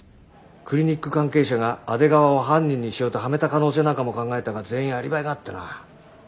クリニック関係者が阿出川を犯人にしようとはめた可能性なんかも考えたが全員アリバイがあってな。